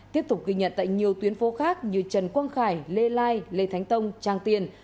tiếp tục ghi nhận tại nhiều tuyến phố khác như trần quang khải lê lai lê thánh tông trang tiền